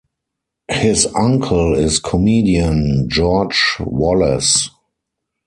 His uncle is comedian George Wallace.